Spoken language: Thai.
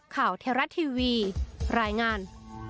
ข่าวเทราะห์ทีวีรายงาน